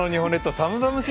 寒々しい